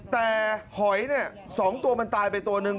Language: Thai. แต่หอยเนี่ย๒ตัวมันตายไปตัวนึง